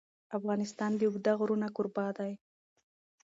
افغانستان د اوږده غرونه کوربه دی.